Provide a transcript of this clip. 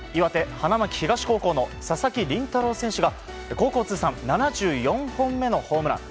花巻東高校の佐々木麟太郎選手が高校通算７４本目のホームラン。